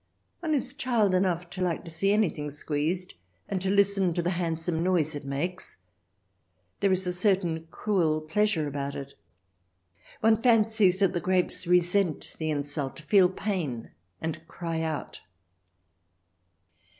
One is child enough to like to see any thing squeezed and to listen to the handsome noise it makes. There is a certain cruel pleasure about it ; one fancies that the grapes resent the insult, feel pain, and cry out